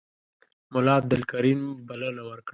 ملا عبدالکریم بلنه ورکړه.